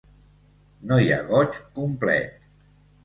No hi ha goig complet.